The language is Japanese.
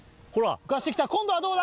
浮かしてきた今度はどうだ？